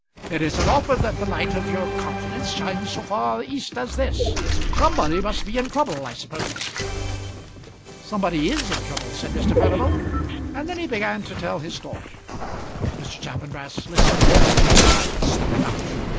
"It isn't often that the light of your countenance shines so far east as this. Somebody must be in trouble, I suppose?" "Somebody is in trouble," said Mr. Furnival; and then he began to tell his story. Mr. Chaffanbrass listened almost in silence throughout.